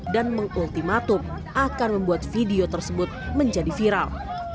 dan mengultimatum akan membuat video tersebut menjadi viral